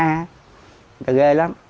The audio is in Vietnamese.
người ta ghê lắm